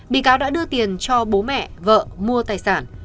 bị cáo đã đưa tiền cho bố mẹ vợ mua tài sản